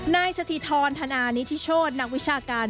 นายสถิธรรณฑ์ธนาณิชชน